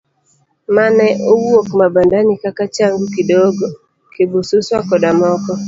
Mane owuok Mabandani kaka Changu Kidogo, Kabisuswa koda moko.